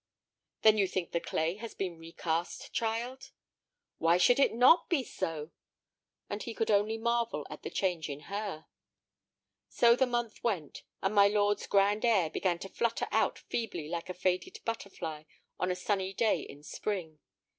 "Then you think the clay has been recast, child?" "Why should it not be so!" And he could only marvel at the change in her. So the month went, and my lord's "grand air" began to flutter out feebly like a faded butterfly on a sunny day in spring.